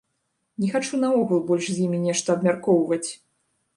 Не хачу наогул больш з імі нешта абмяркоўваць!